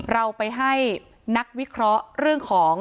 เราไปให้นักวิเคราะห์เรื่องของ